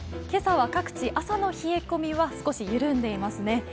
今朝は各地、朝の冷え込みは少し緩んでいますね。